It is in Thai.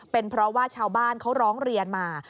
เป็นเพราะว่าชาวบ้านเขาร้องเรียนมา